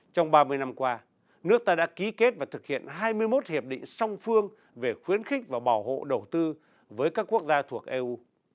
trong ba mươi năm qua nước ta đã ký kết và thực hiện hai mươi một hiệp định song phương về khuyến khích và bảo hộ đầu tư với các quốc gia thuộc eu